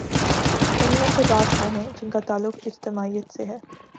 ان میں سے بعض وہ ہیں جن کا تعلق اجتماعیت سے ہے۔